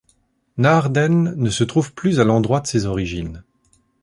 Naarden ne se trouve plus à l'endroit de ses origines.